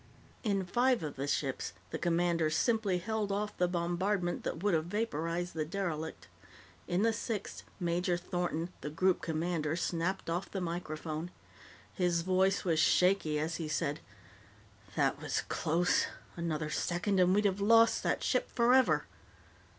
In five of the ships, the commanders simply held off the bombardment that would have vaporized the derelict. In the sixth, Major Thornton, the Group Commander, snapped off the microphone. His voice was shaky as he said: "That was close! Another second, and we'd have lost that ship forever."